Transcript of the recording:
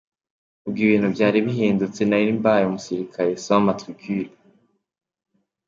Ubwo ibintu byari bihindutse nari mbaye umusirikare sans matrucule.